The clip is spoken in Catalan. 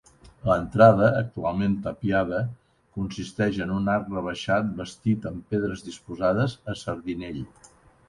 L'entrada, actualment tapiada, consisteix en un arc rebaixat bastit amb pedres disposades a sardinell.